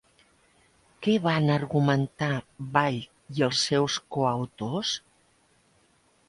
Què van argumentar Ball i els seus coautors?